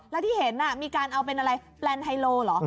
แล้วที่เห็นมีการเอาเป็นอะไรแปลนไฮโลเหรอ